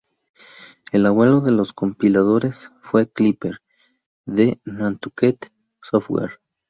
El abuelo de los compiladores fue Clipper, de Nantucket Software.